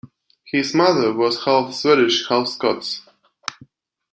His mother was half-Swedish, half Scots.